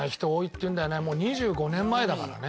もう２５年前だからね。